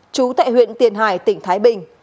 chú tại huyện tiền hải tỉnh thái bình